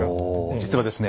実はですね